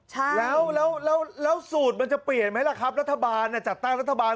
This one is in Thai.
ใช่แล้วแล้วสูตรมันจะเปลี่ยนไหมล่ะครับรัฐบาลจัดตั้งรัฐบาล